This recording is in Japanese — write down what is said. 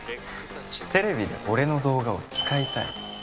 テレビで俺の動画を使いたい？